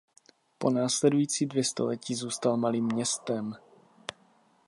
Po následující dvě století zůstal malým městem.